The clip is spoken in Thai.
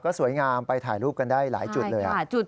สวยงามไปถ่ายรูปกันได้หลายจุดเลย